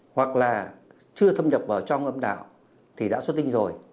hoặc là chưa thâm nhập vào trong âm đạo thì đã xuất tinh rồi